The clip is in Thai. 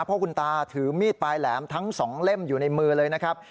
เพราะคุณตาถือมีดปลายแหลมทั้ง๒เล่มอยู่ในมือเลยนะครับ